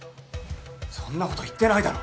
そんなこと言ってないだろ！